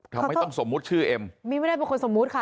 ทำไมต้องสมมุติชื่อเอ็มมี่ไม่ได้เป็นคนสมมุติค่ะ